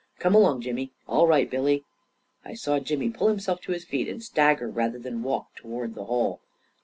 Come along, Jimmy. All right, Billy I " I saw Jimmy pull himself to his feet and stagger rather than walk toward the hole.